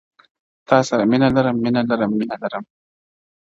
تا سره مینه لرم مینه لرم مینه لرم